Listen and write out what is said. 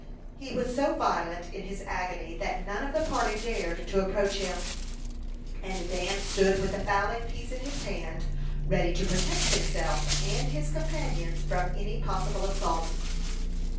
He was so violent in his agony, that none of the party dared to approach him, and Dan stood with the fowling piece in his hand, ready to protect himself and his companions from any possible assault.